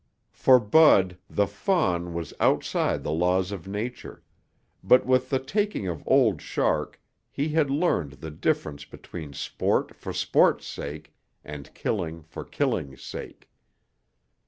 For Bud the fawn was outside the laws of nature, but with the taking of Old Shark he had learned the difference between sport for sport's sake and killing for killing's sake.